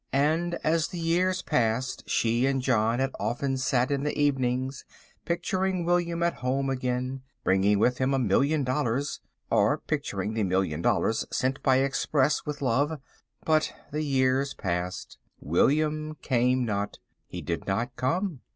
And as the years passed she and John had often sat in the evenings picturing William at home again, bringing with him a million dollars, or picturing the million dollars sent by express with love. But the years had passed. William came not. He did not come.